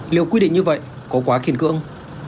liệu quy định như vậy có quá khiên cưỡng